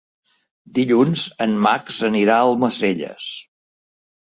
Dilluns en Max anirà a Almacelles.